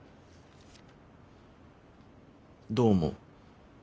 どう思う？